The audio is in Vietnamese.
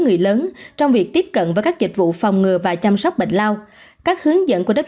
người lớn trong việc tiếp cận với các dịch vụ phòng ngừa và chăm sóc bệnh lao các hướng dẫn của đất